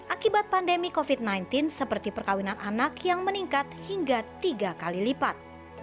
akibat pandemi covid sembilan belas seperti perkawinan anak yang meningkat hingga tiga kali lipat